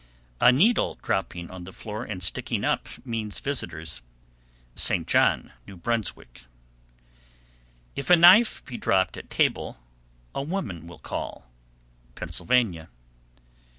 A needle dropping on the floor and sticking up means visitors. St. John, N.B. 761. If a knife be dropped at table, a woman will call. _Pennsylvania.